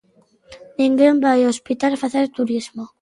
Ninguén vai ao hospital facer turismo.